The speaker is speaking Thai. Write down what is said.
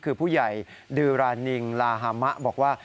คือผู้ใหญ่ดือรานิงลาฮามะบอกว่า